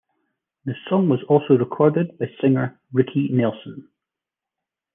The song was also recorded by singer Ricky Nelson.